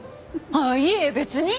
あっいえ別に。